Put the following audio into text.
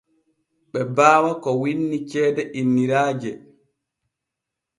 Ɓe baawa ko winni ceede innoraaje.